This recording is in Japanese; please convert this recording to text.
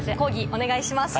お願いします。